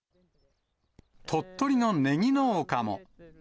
鳥取のネギ農家も。